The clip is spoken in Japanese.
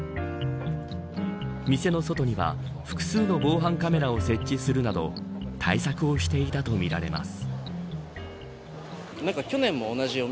店の外には、複数の防犯カメラを設置するなど対策をしていたとみられます。